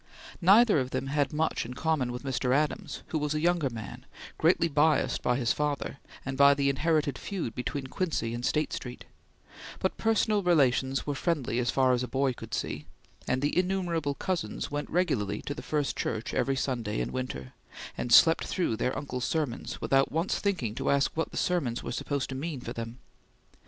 Neither of them had much in common with Mr. Adams, who was a younger man, greatly biassed by his father, and by the inherited feud between Quincy and State Street; but personal relations were friendly as far as a boy could see, and the innumerable cousins went regularly to the First Church every Sunday in winter, and slept through their uncle's sermons, without once thinking to ask what the sermons were supposed to mean for them.